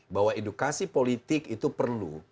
bahwa edukasi politik itu perlu